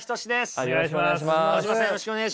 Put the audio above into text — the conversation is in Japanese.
お願いします。